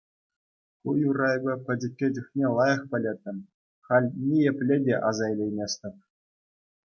Ку юрра эпӗ пӗчӗккӗ чухне лайӑх пӗлеттӗм, халь ниепле те аса илейместӗп.